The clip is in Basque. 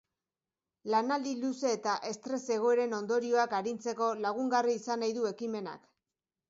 Lanaldi luze eta estres egoeren ondorioak arintzeko lagungarri izan nahi du ekimenak.